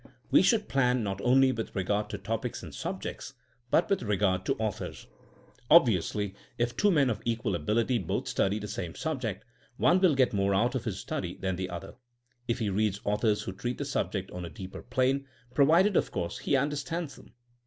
We should plan not only with regard to topics and subjectSi but with regard to authors. Ob viously if two men of equal ability both study the same subject, one will get more out of his study than the other if he reads authors who treat the subject on a deeper plane — provided of course he understands them.